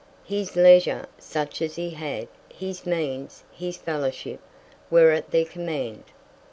His leisure, such as he had, his means, his fellowship, were at their command.